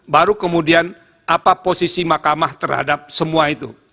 baru kemudian apa posisi mahkamah terhadap semua itu